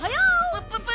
プッププ！